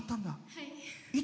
はい。